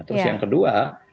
terus yang kedua